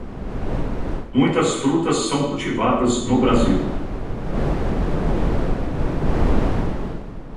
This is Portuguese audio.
Muitas frutas são cultivadas no Brasil.